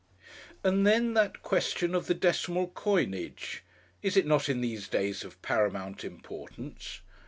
And then that question of the decimal coinage! is it not in these days of paramount importance?